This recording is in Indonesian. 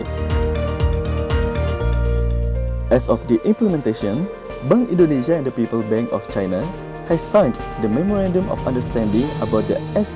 sebagai implementasi bank indonesia dan bank pembangunan china telah menandatangani memorandum pertahankan tentang pembangunan ekonomi dan pembangunan ekonomi